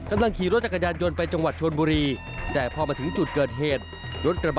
มีชายชาวจีนอายุ๔๔ปีผ่านคลนขับ